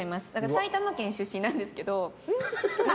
埼玉県出身なんですけど。